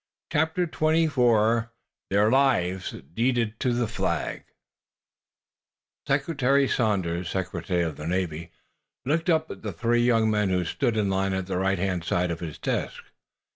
CHAPTER XXIV THEIR LIVES DEEDED TO THE FLAG Secretary Sanders, Secretary of the Navy, looked up at the three young men who stood in line at the right hand side of his desk.